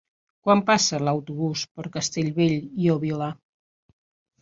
Quan passa l'autobús per Castellbell i el Vilar?